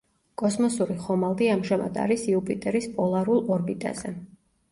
კოსმოსური ხომალდი ამჟამად არის იუპიტერის პოლარულ ორბიტაზე.